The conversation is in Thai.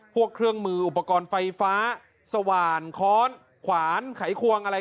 เครื่องมืออุปกรณ์ไฟฟ้าสว่านค้อนขวานไขควงอะไร